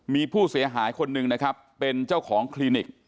มีผู้เสียหายคนหนึ่งนะครับเป็นเจ้าของคลินิก